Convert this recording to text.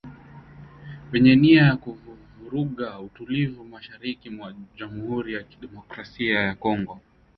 Wenye nia ya kuvuruga utulivu mashariki mwa Jamuhuri ya Kidemokrasia ya Kongo